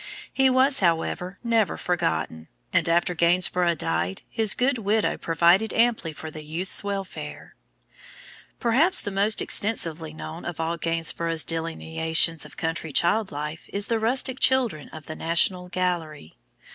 He was, however, never forgotten; and after Gainsborough died, his good widow provided amply for the youth's welfare. Perhaps the most extensively known of all Gainsborough's delineations of country child life is the Rustic Children of the National Gallery.